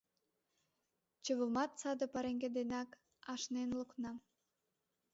Чывымат саде пареҥге денак ашнен лукна.